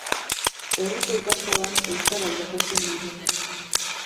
Herriko ikastolan euskara irakasten du Jonek.